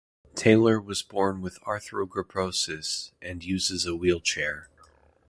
Taylor was born with arthrogryposis, and uses a wheelchair.